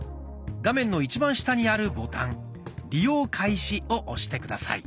画面の一番下にあるボタン「利用開始」を押して下さい。